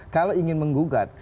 kalau ingin menggugat